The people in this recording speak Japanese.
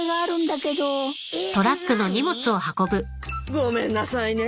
ごめんなさいね。